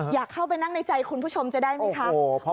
อยากเข้าไปนั่งในใจคุณผู้ชมจะได้ไหมคะ